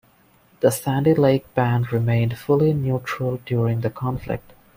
The Sandy Lake Band remained fully neutral during the conflict.